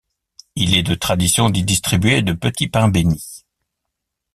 Il est de tradition d'y distribuer de petits pains bénits.